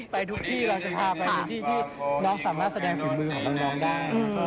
ไปทุกที่เราจะพาไปทุกที่ที่น้องสามารถแสดงฝีมือของน้องได้